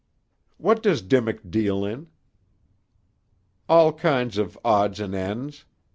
"What does Dimmock deal in?" "All kinds of odds and ends.